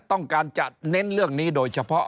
ต้องการจะเน้นเรื่องนี้โดยเฉพาะ